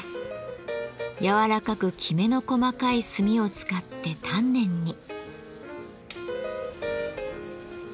柔らかくきめの細かい炭を使って丹念に。